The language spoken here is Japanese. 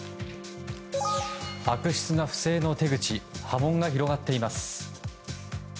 悪質な不正の手口波紋が広がっています。